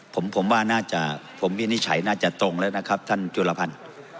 ผมว่าน่าจะผมนิจฉัยน่าจะตรงนะครับท่านจุฬพรรณ